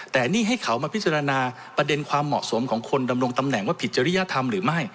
แต่นี่ให้เขามาพิจารณาประเด็นความเหมาะสมของคนดำรงตำแหน่งว่าผิดจริยธรรมหรือไม่